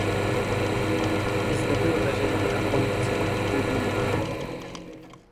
Zde byl veřejně a politicky aktivní.